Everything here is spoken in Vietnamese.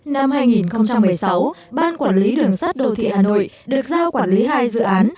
năm hai nghìn một mươi sáu ban quản lý đường sát đô thị hà nội được giao quản lý hai dự án